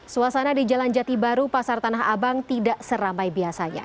suasana di jalan jati baru pasar tanah abang tidak seramai biasanya